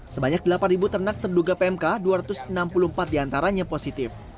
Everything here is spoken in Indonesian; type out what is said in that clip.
sebanyak delapan ternak terduga pmk dua ratus enam puluh empat diantaranya positif